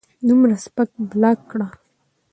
دومره سپک بلاک کړۀ